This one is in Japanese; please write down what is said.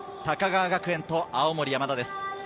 高川学園と青森山田です。